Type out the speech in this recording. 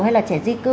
hay là trẻ di cư